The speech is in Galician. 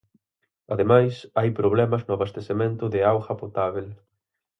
Ademais, hai problemas no abastecemento de auga potábel.